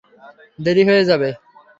দেরি হয়ে যাবে।